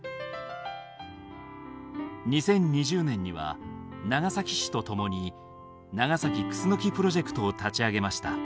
２０２０年には長崎市と共に「長崎クスノキプロジェクト」を立ち上げました。